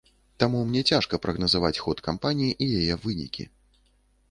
Таму мяне цяжка прагназаваць ход кампаніі і яе вынікі.